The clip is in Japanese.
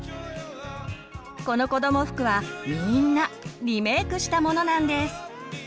このこども服はみんなリメークしたものなんです。